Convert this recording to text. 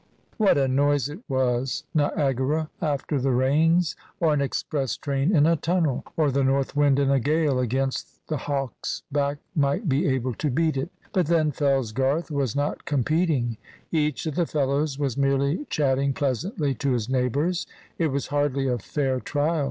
What a noise it was! Niagara after the rains, or an express train in a tunnel, or the north wind in a gale against the Hawk's Back might be able to beat it. But then Fellsgarth was not competing; each of the fellows was merely chatting pleasantly to his neighbours. It was hardly a fair trial.